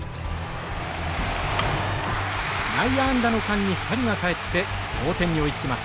内野安打の間に２人が帰って同点に追いつきます。